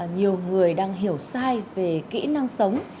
nhiều người đang hiểu sai về kỹ năng sống